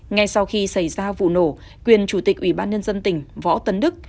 ngay sau khi xảy ra vụ nổ quyền chủ tịch ủy ban nhân dân tỉnh võ tấn đức